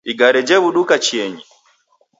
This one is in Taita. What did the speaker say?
Igari jewuduka chienyi